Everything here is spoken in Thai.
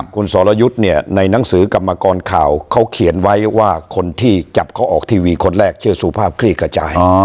คุณสรยุทธ์เนี่ยในหนังสือกรรมกรข่าวเขาเขียนไว้ว่าคนที่จับเขาออกทีวีคนแรกชื่อสุภาพคลี่ขจาย